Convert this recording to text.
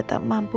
terima kasih bu